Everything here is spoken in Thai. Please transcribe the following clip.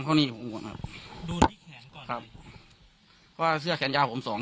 หนี้หัวครับดูที่แขนก่อนครับก็เสื้อแขนยาวผมสอง